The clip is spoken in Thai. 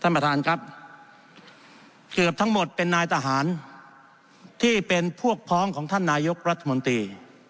ท่านประธานครับเกือบทั้งหมดเป็นนายทหารที่เป็นพวกพ้องของท่านนายกรัฐมนตรี